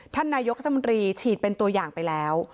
ท่านนายกรัฐมนตรีฉีดเป็นตัวอย่างไปแล้ว